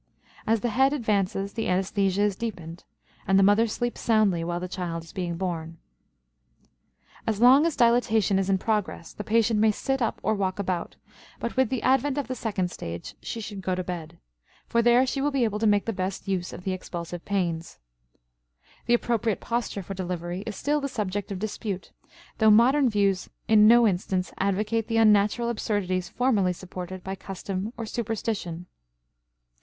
As the head advances the anesthesia is deepened, and the mother sleeps soundly while the child is being born. As long as dilatation is in progress, the patient may sit up or walk about; but with the advent of the second stage she should go to bed, for there she will be able to make the best use of the expulsive pains. The appropriate posture for delivery is still the subject of dispute, though modern views in no instance advocate the unnatural absurdities formerly supported by custom or superstition.